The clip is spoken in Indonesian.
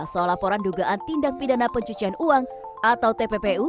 soal laporan dugaan tindak pidana pencucian uang atau tppu